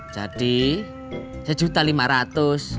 jadi sejuta lima ratus